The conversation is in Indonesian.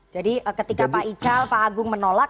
jadi ketika pak ical pak agung menolak